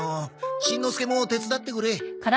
しんのすけも手伝ってくれ。